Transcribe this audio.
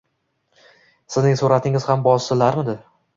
Sizning suratingiz ham bosilarmidi